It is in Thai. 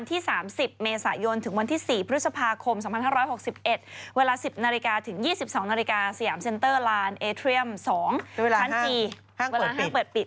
๒ทั้งทางจีย์ห้างเปิดปิด